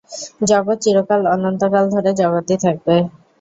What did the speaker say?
জগৎ চিরকাল অনন্তকাল ধরে জগৎই থাকবে।